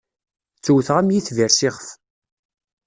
Ttewwteɣ am yitbir s ixef.